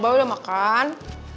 abah udah makan